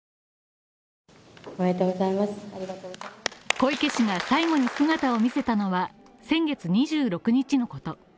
小池氏が最後に姿を見せたのは先月２６日のこと。